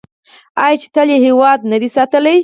آیا چې تل یې هیواد نه دی ساتلی؟